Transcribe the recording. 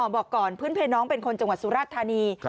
บอกก่อนพื้นเพลน้องเป็นคนจังหวัดสุราชธานี